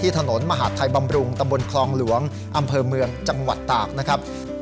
ถนนมหาดไทยบำรุงตำบลคลองหลวงอำเภอเมืองจังหวัดตากนะครับ